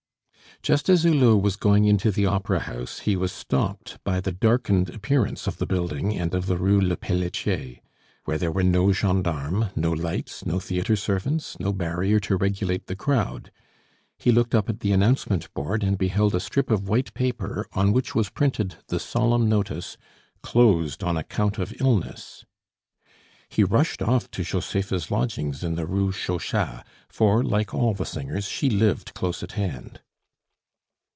Just as Hulot was going into the opera house, he was stopped by the darkened appearance of the building and of the Rue le Peletier, where there were no gendarmes, no lights, no theatre servants, no barrier to regulate the crowd. He looked up at the announcement board, and beheld a strip of white paper, on which was printed the solemn notice: "CLOSED ON ACCOUNT OF ILLNESS." He rushed off to Josepha's lodgings in the Rue Chauchat; for, like all the singers, she lived close at hand.